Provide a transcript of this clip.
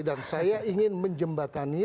dan saya ingin menjembatani